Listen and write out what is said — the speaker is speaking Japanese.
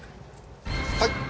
はい！